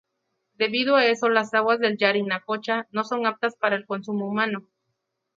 Debido a eso las aguas de Yarinacocha no son aptas para el consumo humano.